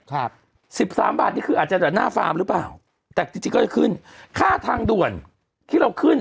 ครับสิบสามบาทนี่คืออาจจะหน้าฟาร์มหรือเปล่าแต่จริงจริงก็จะขึ้นค่าทางด่วนที่เราขึ้น